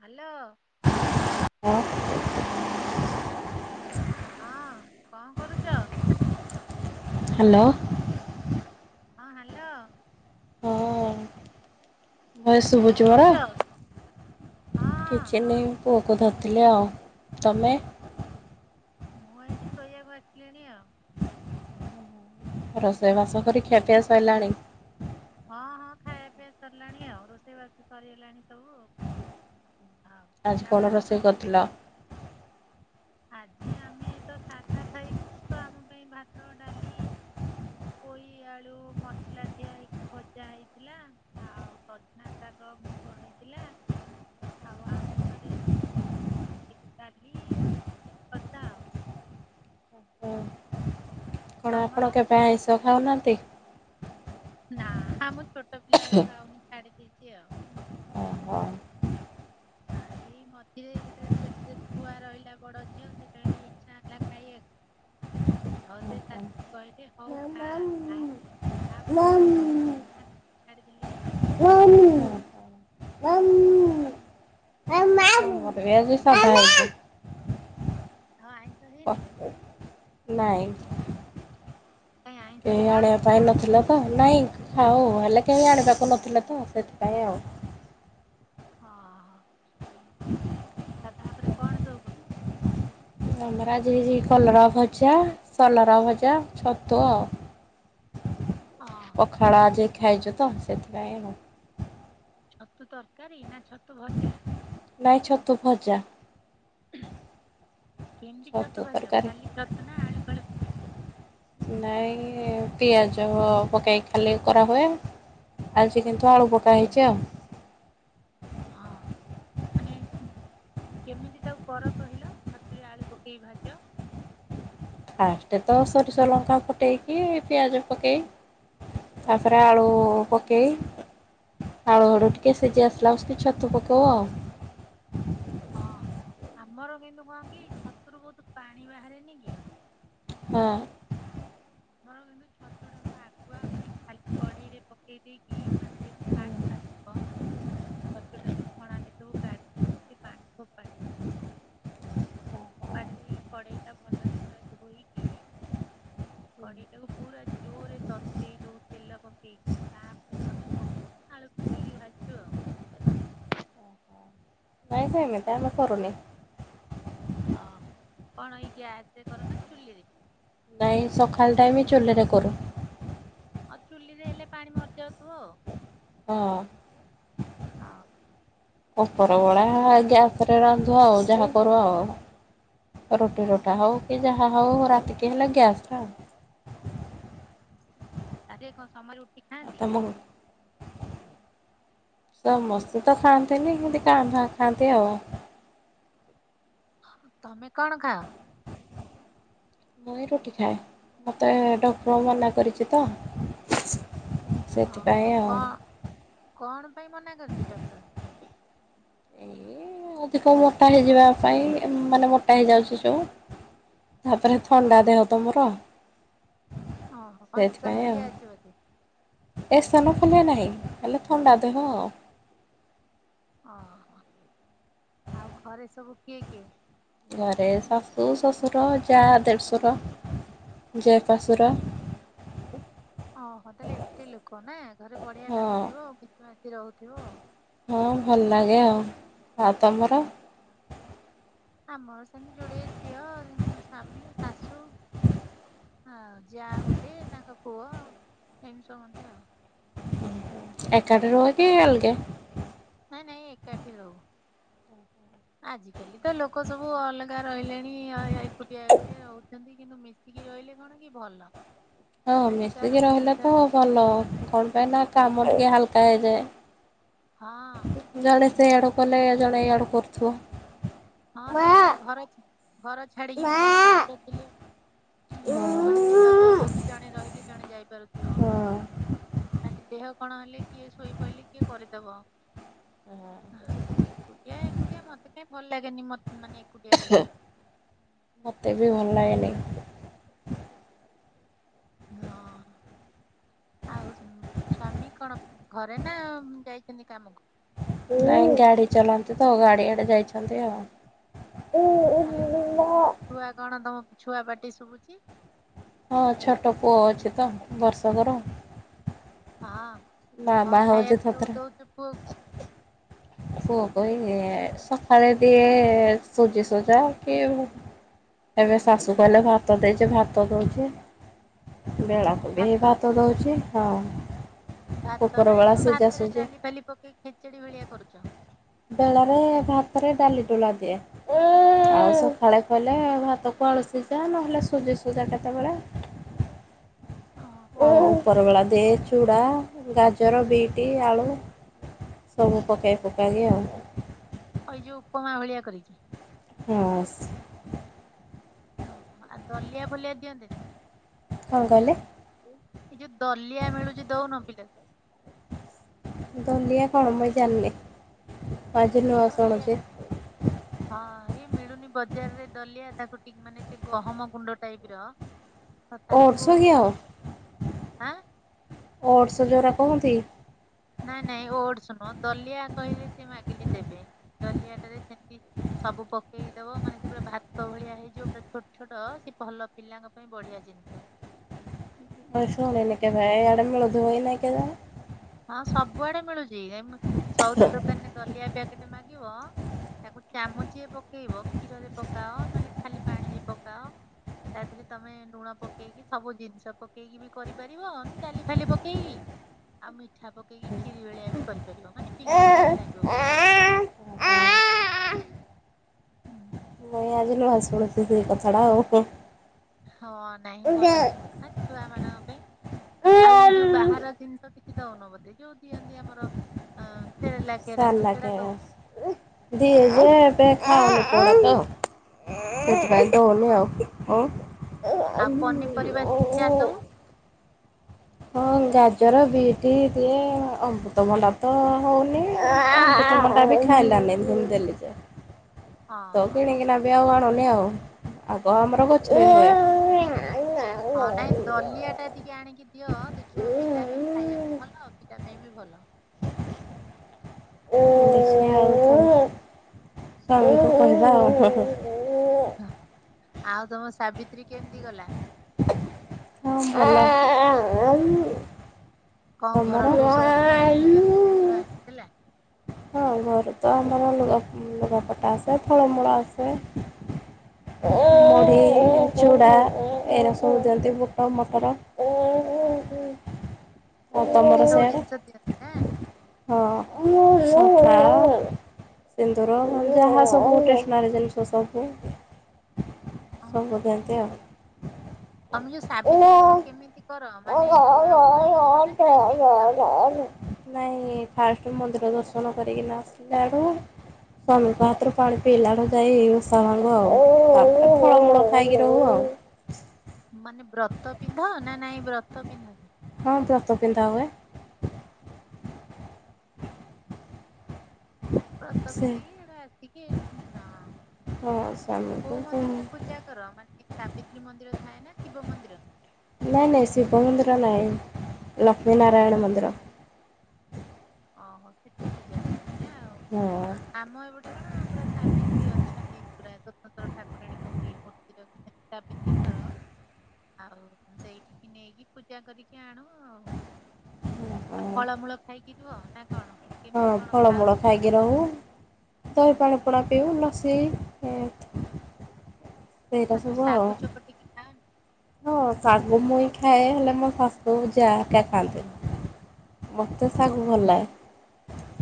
Hello. ହଁ ହଁ ଙ୍କ କରୁଚ? ହାଲୋ। ହଁ ହାଲୋ। ହଁ। ଭଏସ କଣ ଶୁଭୁଚି ମୋର କରୁଛ ହଁ କିଛି ନାଇ ଏ ପୁଅ କୁ ଧରଥିଲେ ଆଉ ତମେ ମୁଁ ଏଇଠି ଶୋଇବାକୁ ଆସିଲିଣି ଆଉ। ରୋଷେଇବାସ କରି ଖିଆପିଆ ସଇଲାଣି ହଁ ହଁ ଖାଇବା ପିଇବା ସରିଲାଣି ଆଉ ରୋଷେଇବାସ ସରିଗଲାଣି ସବୁ ଆଉ। ଆଉ ଆଜି କଣ ପିଲାମାନେ ତ ରୋଷେଇ ସବୁ- କରିଥିଲ? ଆଜି ଆମେ ତ ସାଧା ଖାଇବୁ ତ ଆମ ପାଇଁ ଭାତ ଡାଲି ପୋଇ ଆଳୁ ମସଲା ଦିଆ ହେଇ ଭଜା ହେଇଥିଲା ଆଉ ସଜନା ଶାଗ ହ ମୁଗ ହେଇଥିଲା। ଆଉ ଆଣି ତରେ ତ ମିତାଲି ଆଉ ଠିକ୍ କଥା ଆଉ। ଆଉ ଆଁ ତମର ଆପଣ କେବେ ଆଇଁଷ ଖାଉନାହାନ୍ତି? ନା ହାଁ ମୁଁ ଛୋଟ ପିଲା ବେଳୁ ଖାଉନି ଛାଡି ଦେଇଚି ଆଉ। ହଁ। ଖାଏ ଏଇ ମଝିରେ ଯେତେବେଳେ ପେଟ୍ରେ ଛୁଆ ରହିଲା ବଡ ଝିଅ ସେତେବେଳେ ଟିକେ ଇଛା ହେଲା ଖାଇଆକୁ। ହଉ ସେ ସାର୍ କହିଲେ ହଉ ଖା ଖା ତାପରେ ପୁଣି ମୋର [unintelligible] ଛାଡ଼ିଦେଲି ଆଉ। ନା ତମର ମୋର ବି ଆଜି ସାଧା ହେଇଚି। କଁ ଆଁଇଷ ହେଇନି। ନାଇଁ। କାଇଁ ଆଇଁଷ କେହି ଆଣିବା ଖାଅନି ନା ପାଇଁ କଣ? ନଥିଲା ତ। ନାଇଁ ହଉ ହେଲେ କେହି ଆଣିବାକୁ ନଥିଲେ ତ ସେଥିପାଇଁ ଆଉ। ଅ ହ। ଗାଧୁଆପରେ କଣ ସବୁ କଲ ଆମର ଆଜି ହେଇଚି କଲରା ଭଜା, ସଲରା ଭଜା, ଛତୁ ଆଉ। ହଁ ପଖାଳ ଆଜି ଖାଇଚୁ ତ। ସେଥିପାଇଁ ଆଉ। ଛତୁ ତରକାରୀ ନା ଛତୁ ଭଜା। ନାଇଁ ଛତୁ ଭଜା। [unintelligible] କେମତି ଛତୁ ଭାଜ ଖାଲି ଛତୁ ନା ଆଳୁ ଫାଳୁ ପକେଇକି? ହୁଁ ପିଆଜ ପକାଇ ଖାଲି କରା ହୁଏ। ଆଉ ଚିକେନ୍ ତୁ ଆଳୁ ପକା ହେଇଚି ଆଉ। ହଁ ମାନେ ଉ କେମିତି ତାକୁ କର କହିଲ? ଛତୁରେ ଆଳୁ ପକେଇ ଭାଜ। ଫାଷ୍ଟ ତ ସୋରିଷ ଲଙ୍କା ଫୁଟେଇ କି ପିଆଜ ପକେଇ ତାପରେ ଆଳୁ ପକେଇ ଆଳୁ ହଡୁ ଟିକେ ସିଝି ଆସିଲା ଆସିକି ଛତୁ ପକେଇବ ଆଉ ଓହୋ ଆମର କିନ୍ତୁ କଣ କି? ଛତୁରୁ ବହୁତୁ ପାଣି ବାହାରେନିକି। ହଁ। ମର କିନ୍ତୁ ଛତୁ ଟାକୁ ଆଗୁଆ ମାନେ ଖାଲି କଡେଇରେ ପକେଇ ଦେଇକି ମାନେ ଯେମ୍ [unintelligible] ପ ଛତୁଟାକୁ ଛଣା ଭିତରୁ କାଢିଦେଇକି ପା ଫୋପାଡି ଦଉ। ଫୋପାଡି ଦେଇ କଡେଇ ଟା ଭଲରେ ପୁରା ଧୋଇକି କଡେଇଟାକୁ ପୁରା ଜୋରରେ ତତେଇ ଦଉ ତେଲ ପକେଇକି ତାପରେ ଛତୁ ପକେଇ ଆଳୁ ପକେଇକି ଭାଜୁ ଆଉ ନାଇଁ ସେମିତି ଆମେ କରୁନି। ଅ କଣ ଏଇ ଗ୍ୟାସ ରେ କର ନା ଚୁଲିରେ? ନାଇଁ ସଖାଳ ଟାଇମ୍ ଚୁଲିରେ କରୁ। ଆଉ ଚୁଲିରେ ହେଲେ ପାଣି ମରି ଯାଉଥିବ। ହଁ। [unintelligible] ଉପର ବଳା ଗ୍ୟାସ ରେ ରାନ୍ଧୁ ଆଉ ଯାହା କରୁ ଆଉ। ରୁଟି ହଁ ରୁଟା ହଉ କି ଜାହା ହଉ ରାତି କି ହେଲେ ଗ୍ୟାସ୍ ଟା। ଆଗେ କଣ ସମ‌ଏ ରୁଟି ଖାଇନ୍ତି ତମ ଘରେ? ସମସ୍ତେ ତ ଖାଆନ୍ତିନି କିମତି କାଁଆ ଭାଁଆ ଖାଆନ୍ତି ଆଉ। ତମେ କଣ ଖାଅ? ମୁଁ ଇ ରୁଟି ଖାଏ ମୋତେ ଡକ୍ଟର ମନା କରିଚି ତ। ସେଥିପାଇଁ ଆଉ। କାଇଁ ମନା କରଚି ଡକ୍ଟର? ଉଁ ଅଧିକ ମୋଟା ହେଇଯିବା ପାଇଁ। ଏ ମାନେ ମୋଟା ହେଇଯାଉଚି ଯୋଉ। ତାପରେ ଅ ଥଣ୍ଡା ଦେହ ତ ମୋର। ଓହୋ କଣ ଇସନଫୁଲିଆ ଅଛି ବୋଧେ? ଇସୁନୁଫୁଲିଆ ନାହିଁ, ହେଲେ ଥଣ୍ଡା ଦେହ ଆଉ। ଓହୋ ଆଉ ଘରେ ସବୁ କିଏ କିଏ? ଘରେ ଶାଶୁ, ଶଶୁର, ଯା, ଦେଢ଼ଶୁର। ଜେପାଶୁର। ଓହୋ ତାହେଲେ ଏତେ ଲୋକ ନା ଘରେ ବଢିଆ ହଁ ଲାଗୁଥିବ ଆଉ ମିଶି ମାସି ରହୁଥିବ ଆଉ। ହଁ ଭଲ ଲାଗେ। ଆଉ। ଆଉ ତମର? ଆମର ସେମତି ଯୋଡେ ଝିଅ ଉଁ ସ୍ଵାମୀ, ଶାଶୁ। ଆଉ ଯା ଗୋଟେ ତାଙ୍କ ପୁଅ ଏମତି ସମସ୍ତେ ଆଉ। ଏକାଠି ରୁହ କି ଅଲଗା? ନା ନାଇଁ ଏକାଠି ରହୁ। ଆଜ କାଲି ତ ଲୋକ ସବୁ ଅଲଗା ରହିଲେଣି ଆଁ ଏକୁଟିଆ ଏକୁଟିଆ ରହୁଛନ୍ତି କିନ୍ତୁ ମିଶିକି ଅ ରହିଲେ କଣ କି ଭଲ। ହଁ ଆଜି କାହାର ମିଶିକି ରହିଲେ ଅସୁବିଧା ତ ଭଲ, କଣ ପାଇଁ ନା କାମ ଟିକେ ହାଲକା ହେଇଯାଏ। ହଁ। ଜଣେ ସେ ଆଡୁ କଲେ ଜଣେ ଇଆଡୁ କରୁଥିବ। ହଁ ତାପରେ ଘର ଘର ଛାଡିକି ବି ଶାଶୁ ଶଶୁର ରହୁଥିଲେ। ହଁ ଯଦି କୁଆଡେ ଯିବାକୁ ହବ ବି ଜଣେ ରହିଲେ ଜଣେ ଯାଇପାରୁଥିବ। ଆଜି ଦେହ କଣ ହେଲେ କିଏ ଶୋଇପଇଲେ କିଏ କରିଦବ। ହଁ ଏକୁଟିଆ ଏକୁଟିଆ ମତେ କାଇଁ ଭଲ ଲାଗେନି, ମ ମତେ ବି ଭଲ ଲାଗେନି। ହଁ। ଆଉ ସୁ ସ୍ଵାମୀ କଣ ଘରେ ନା ଯାଇଛନ୍ତି କାମକୁ? ନାଇଁ ଗାଡି ଚଲାନ୍ତି ତ ଗାଡିଆଡେ ଯାଇଛନ୍ତି ଆଉ। ତାହେଲେ ଘ- [inaudible] ଛୁଆ କଣ ତମ ଛୁଆ ପାଟି ଶୁଭୁଚି। ହଁ ଛୋଟ ପୁଅ ଅଛି ତ ବର୍ଷକର। ହଁ କଁ ମାମା ହଉଛି ଖାଇଆକୁ ସବୁ ଥଥରା। ଦଉଛ ପୁଅକୁ? ପୁଅକୁ ଇଏ ସକାଳେ ଦିଏ ସୁଜିସୁଜା କି ଏବେ ଶାଶୂ କହିଲେ ଭାତ ଦେଇଚି ଭାତ ଦଉଚି। ବେଳାକୁ ବି ହେ ଭାତ ଦଉଚି ଆଉ। ଭାତ ନା ଏଇ ଯୋଉ ଭାତରେ ସୁଜି ଡାଲି ଫାଲି ପକେଇକି ଖେଚେଡି ଭଳିଆ କରୁଚ? ବେଳରେ ଭାତରେ ଡାଲି ଡୋଳା ଦିଏ ଆଉ ସଖାଳେ କଲେ ଭାତ ଆଳୁସିଜା ନହେଲେ ସୁଜିସୁଜା କେତେବେଳେ। [inaudible] ଓହୋ ଉପରବେଳା ଦିଏ ଚୁଡ଼ା, ଗାଜର, ବିଟି, ଆଳୁ ସବୁ ପକେଇ ପୁକାକି ଆଉ। ଏଯୋଉ ଉପମା ଭଳିଆ କରିକି। ଅଁ ସ। ଓହୋ ଆଉ ଦଲିଆ ଫଲିଆ ଦିଅନ୍ତିନି। କଁ କହିଲେ? ଏଇ ଯୋଉ ଦଲିଆ ମିଳୁଚି ଦଉନ ପିଲାକୁ? ଦଲିଆ କଣ ମୁଁ ଜାଣନି? ଦଲିଆ ହଁ ଏଇ ମିଳୁନି ବଜାରରେ ଦଲିଆ। ତାକୁ ଟିକ ମାନେ ସେ ଗହମ ଗୁଣ୍ଡ ଟାଇପର ଓଟ୍ସ କି ଆଉ, ଆଁ ଓଟ୍ସ୍ ଯୋଉରା କୁହନ୍ତି। ନାଇଁ ନାଇଁ ଓଟ୍ସ୍ ନୁହଁ ଦଲିଆ କହିଲେ ସେ ମାଗିଲେ ଦେବେ, ଦଲିଆଟାରେ ସେମତି ସବୁ ପକେଇ ଦବ ମାନେ ସେ ପୁରା ଭାତ ଭଳିଆ ହେଇଯିବ, ପୁରା ଛୋଟ ଛୋଟ ସେ ଭଲ ପିଲାଙ୍କ ପାଇଁ ବଢିଆ ଜିିନ ଷ। ମୁଁ ଶୁଣିନି କେଭେ ଏଇଆଡ଼େ ମିଳୁଥିବ କି ନାହିଁ କେଜାଣି। ହଁ ସବୁଆଡେ ମିଳୁଚି ସଉଦା ଦୋକାନରେ ଦଲିଆ ପ୍ୟାକେଟ ମାଗିବ ତାକୁ ଚାମୁଚେ ପକେଇବ କ୍ଷୀରରେ ପକାଅ ନହେଲେ ଖାଲି ପାଣିରେ ପକାଅ ତା ଦେହରେ ତମେ ଲୁଣ ପକେଇକି ସବୁ ଜିନିଷ ପକେଇକି ବି କରିପାରିବ ଇଁ ଡାଲି ଫାଲି ପକେଇକି ଆଉ ମିଠା ପକେଇକି ଖିରି ଭଳିଆ ବି କରିପାରିବ ମାନେ ପିଲାଙ୍କୁ ଓହୋ। ଭଲ ଲାଗିବ [inaudible] ହୁଁ। [unintelligible] ହଁ ନାଇଁ ଭଲ ଜିନିଷ ନା ଛୁଆ ମାନଙ୍କ ପାଇଁ ଆଉ ଏଇ ଯୋଉ ବାହାର ଜିନିଷ କି ଦଉନ ବୋଧେ ଯୋଉ ଦିଅନ୍ତି ଆମର ଆଁ ସେରେଲା କେରଙ୍ଗ ସେଟା ଦଉନ ଦିଆ ଯାଏ ଏବେ ଖାଉନି କଉଟା ତ ସେଥିପାଇଁ ଦଉନି ହଁ ଆଉ ଅ ଆଉ ପନିପରିବା ସିଝା ସବୁ ହଁ ଗାଜର ବିଟି ଦିଏ ଅମୃତଭଣ୍ଡା ତ ହଉନି ଟା ବି ଖାଇଲାନି ଭୁମି ଦେଲି ଯେ ହଁ ତ ହଁ। କିଣିକିନା ବି ଆଉ ଆଣୁନି ଆଉ ଆଗ ଆମର ଗଛ ରେ ହୁଏ। ଆଉ ହଁ ନାଇଁ ଦଲିଆ ଟା ଟିକେ ଆଣିକି ଦିଅ ଦେଖିବ ପିଲା ବି ଖାଇବାକୁ ଭଲ ପିଲା ପାଇଁ ବି ଭଲ। ହଁ [unintelligible] ହଁ। ଆଉ ତମ ସାବିତ୍ରୀ କେମିତି ଗଲା? [unintelligible] କଣ ଘରଠୁ ସବୁ ନୂଆ ଲୁଗା ଭାରତୁର ଆସିଥିଲା। ହଁ ଘରୁ ତ ଆମ ଲୁଗା ଲୁଗାପଟା ଆସେ ଫଳ ମୂଳ ଆସେ ମୁଢି ଚୂଡା ଏଇରା ସବୁ ଦିଅନ୍ତି ବୁଟ ମଟର [inaudible] [unintelligible] ତମର ଏତେ ସବୁ ସିଆଡ଼େ ଜିନିଷ ଦିଅନ୍ତି ନା! [unintelligible] ସିନ୍ଦୁର ଯାହା ସବୁ ଷ୍ଟେସନାରୀ ଜିନିଷ ସବୁ ହଁ ସବୁ ଦିଅନ୍ତି ଆଉ। ତମେ ଯୋଉ ସାବିତ୍ରୀ କର କେମିତି କର ମାନେ ପୁରା ଉପାସ କର ନା ଖାଇ ପିକି କର? ନାଇଁ ଫାଷ୍ଟ ମନ୍ଦିର ଦର୍ଶନ କରିକିନା ଆସିଲା ଆଡୁ ସ୍ୱାମୀଙ୍କ ହାତରୁ ପାଣି ପିଇଲା ଆଡୁ ଯାଇ ଓଷା ଭାଙ୍ଗ ଆଉ ତାପରେ ଫଳମୂଳ ଖାଇକି ରହୁ ଆଉ ମାନେ ବ୍ରତ ପିନ୍ଧ ନା ନାଇଁ ବ୍ରତ ପିନ୍ଧନି? ହଁ ବ୍ରତ ପିନ୍ଧା ହୁଏ। ବ୍ରତ ସେ ପିନ୍ଧିକି ଏଟା ରାତିକି ହଁ। ହଁ ସ୍ୱାମୀଙ୍କୁ କୋଉ ମନ୍ଦିରରେ ପୂଜା କର ମାନେ ସାବିତ୍ରୀ ମନ୍ଦିର ଥାଏ ନା ଶିବ ମନ୍ଦିର ନାଇଁ ନାଇଁ ଶିବ ମନ୍ଦିର ନାହିଁ ଲକ୍ଷ୍ମୀ ନାରାୟଣ ମନ୍ଦିର। ଅହ ସେଠି ପୂଜା କରନ୍ତି ନା। ହଁ ଆମ ଏପଟେ କଣ ପୁରା ସାବିତ୍ରୀ ଅଛନ୍ତି। ଠାକୁରାଣୀଙ୍କ ମୂର୍ତ୍ତି ରଖିଛନ୍ତି ସାବିତ୍ରୀ ଙ୍କର ଆଉ ସେଇଠିକି ନେଇକି ପୂଜା କରିକି ଆଣୁ ଆଉ ଆଉ ହଁ। ଫଳମୂଳ ଖାଇକି ରୁହ ନା। କଣ ହଁ କେମିତି କଣ ଖାଅ ଫଳମୂଳ ସବୁ? ଖାଇକି ରହୁ ଦହି ପାଣି ପିଉ ଲସି ସେଇଟା ଯୋଉ ସବୁ ଆଉ ଶାଗୁ ଚକଟିକି ଖାଅନି? ହଁ କାଗ ମୁଇ [unintelligible] ହ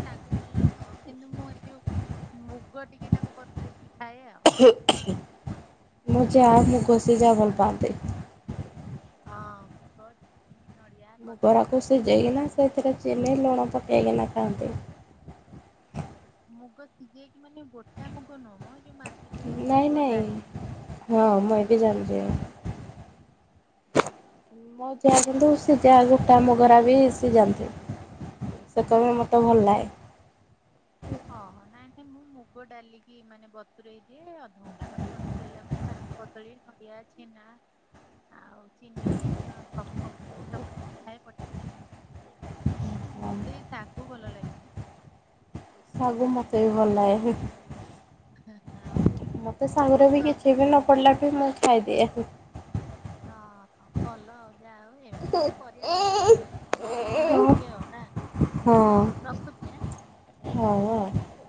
ତାଗ ଭଲ ନହ କିନ୍ତୁ ମୁଁ ଏଇ ଯୋଉ ମୁଗ ଟିକେ ନାକୁ ବତରେଇଛିି। ମୁଗରେ ମାନେ [unintelligible] ହଁ। ନଡିଆ ମୁଗ କଦଳୀ ରାକୁ ସବୁ ପକେଇକି ସିଝେଇକିନା ସେଥିରେ ଚିନି ଲୁଣ ପକେଇକିନା ଥାଆନ୍ତି। ମୁଗ ସିଝାଇକି ମାନେ ଗୋଟା ମୁଗ ନମ ଯଉ ନାଇଁ ନାଇଁ ହଁ ମୁଁ ଏ ବି ଜାଣିଛି ଆଁ ମୋ ଯାହା କିନ୍ତୁ ସିଝା ଗୋଟା ମୁଗରା ବି ସିଝାନ୍ତି। ସେ କହିବେ ଓ ମତେ ଭଲ ଗୋଟା ଲାଗେ। ହଁ ନାଇଁ ମୁଁ ମୁଗ ଡାଲିକି ମାନେ ବତୁରଇ ଦିଏ ଅଧଘଣ୍ଟା ଖଣ୍ଡେ ବତୁରଇଲା ପରେ ତାକୁ ପତଲେଇ ନା। ଆଉ ଚିନି ସବୁ ଶୀତ ଖ ପ ଖ ମତେ ଏଇ ଶାଗୁ ଭଲ ଲାଗେନି। ଶାଗୁ ମୋତେ ବି ଭଲ ଲାଗେ। ଆଉ ମତେ ସାଙ୍ଗରେ ବି ଅମୃତ କିଛି ବି ନ ପଡିଲା ବି ମୁଁ ଖାଇଦିଏ ଆକୁ ନା ଭଲ ଆଉ ଯାହା ହଉ ଏମତି ତ କରିବା କଥା। [unintelligible] ଏତିକି ଆଉ ନା। ହଉ ହଁ ରଖୁଛି ଆଁ। ହୋଉ ଆଉ